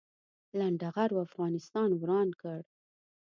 لنډغرو افغانستان وران کړ